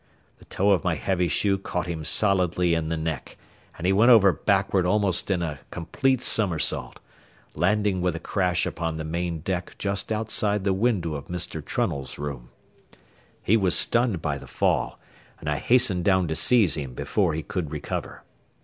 The toe of my heavy shoe caught him solidly in the neck, and he went over backward almost in a complete somersault, landing with a crash upon the main deck just outside the window of Mr. Trunnell's room. He was stunned by the fall, and I hastened down to seize him before he could recover.